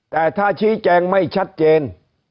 แต่ถ้าชี้แจงไม่ชัดเจน